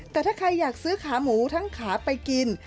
แต่ถ้าใครอยากซื้อขาหมูทั้งขาไปกิน